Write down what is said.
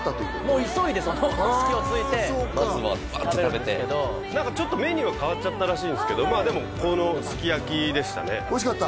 もう急いでその隙をついてまずはバーッて食べて何かちょっとメニューは変わっちゃったらしいんですけどまあでもこのすき焼きでしたねおいしかった？